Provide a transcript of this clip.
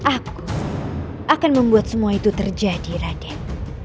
aku akan membuat semua itu terjadi raden